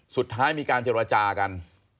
สุดท้ายมีการเจรจากัน